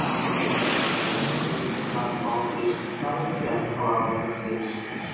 Era uma vez, um gato maltês que tocava piano e falava francês.